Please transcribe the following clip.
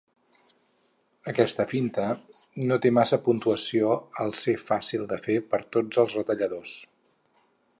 Aquesta finta no té massa puntuació al ser fàcil de fer per tots els retalladors.